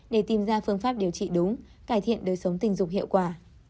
để tìm ra phương pháp điều trị đúng cải thiện đời sống tình dục hiệu quả